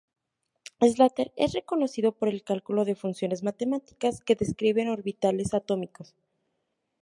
Slater es reconocido por el cálculo de funciones matemáticas que describen orbitales atómicos.